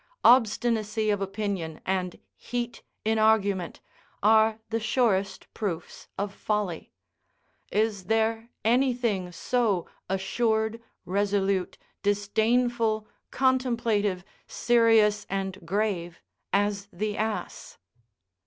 Obstinacy of opinion and heat in argument are the surest proofs of folly; is there anything so assured, resolute, disdainful, contemplative, serious and grave as the ass?